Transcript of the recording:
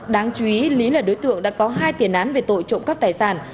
đáng chú ý là đối tượng đã có hai tiền án về tội trộm cắp tài sản